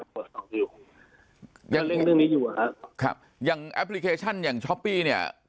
สองคิวยังเร่งเรื่องนี้อยู่อ่ะครับอย่างแอปพลิเคชันอย่างช้อปปี้เนี่ย